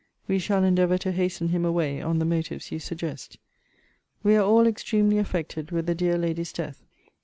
We shall endeavour to hasten him away on the motives you suggest. We are all extremely affected with the dear lady's death.